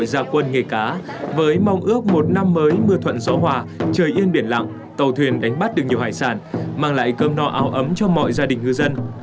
các lễ hội ra quân nghề cá với mong ước một năm mới mưa thuận gió hòa trời yên biển lặng tàu thuyền đánh bắt được nhiều hải sản mang lại cơm no ao ấm cho mọi gia đình ngư dân